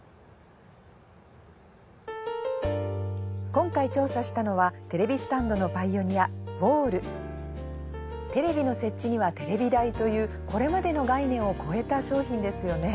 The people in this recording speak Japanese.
今回調査したのはテレビスタンドのパイオニアＷＡＬＬテレビの設置にはテレビ台というこれまでの概念を超えた商品ですよね。